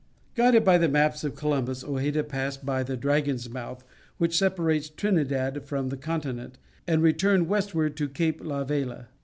Guided by the maps of Columbus, Hojeda passed by the Dragon's Mouth, which separates Trinidad from the continent, and returned westward to Cape La Vela.